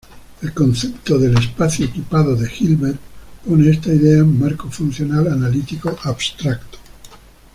El concepto del espacio equipado de Hilbert pone esta idea en marco funcional-analítico abstracto.